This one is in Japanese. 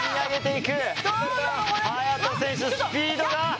勇人選手、スピードが。